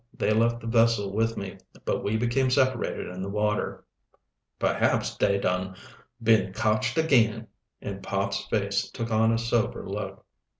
They left the vessel with me, but we became separated in the water." "Perhaps da dun been cotched ag'in," and Pop's face took on a sober look.